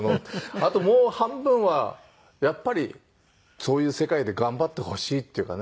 あともう半分はやっぱりそういう世界で頑張ってほしいっていうかね